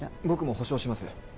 僕も保証します。